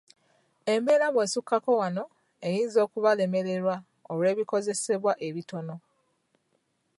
Embeera bw'esukkako wano eyinza okubalemerera olw’ebikozesebwa ebitono.